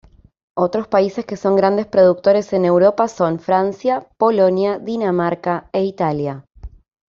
Otros países que son grandes productores en Europa son Francia, Polonia, Dinamarca e Italia.